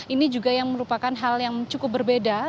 ini juga yang merupakan hal yang cukup berbeda